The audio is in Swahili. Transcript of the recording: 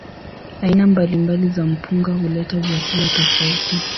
Aina mbalimbali za mpunga huleta vyakula tofauti.